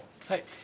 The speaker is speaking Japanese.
はい。